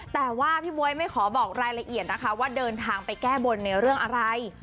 แต่ว่าพี่บ๊วยไม่ขอบอกรายละเอียดนะคะว่าเดินทางไปแก้บนในเรื่องอะไร